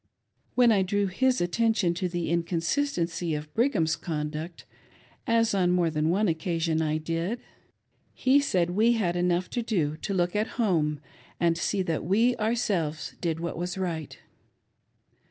When I drew his attention to the inconsistency of Brigham's conduct, as on more than one occasion I did, he said we had enough to do to look at home and see that we ourselves did what was right.